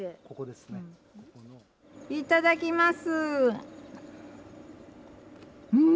いただきます。